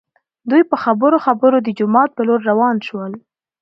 دوي په خبرو خبرو د جومات په لور راوان شول.